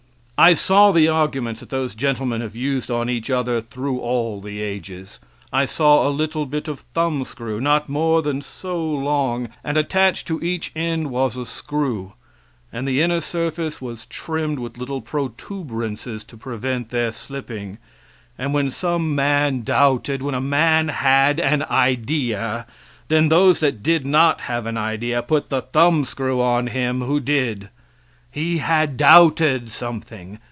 I saw the arguments that those gentlemen have used on each other through all the ages. I saw a little bit of thumbscrew not more than so long (illustrating), and attached to each end was a screw, and the inner surface vas trimmed with little protuberances to prevent their slipping; and when some man doubted when a man had an idea then those that did not have an idea put the thumbscrew upon him who did. He had doubted something.